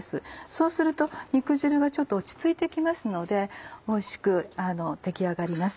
そうすると肉汁がちょっと落ち着いてきますのでおいしく出来上がります。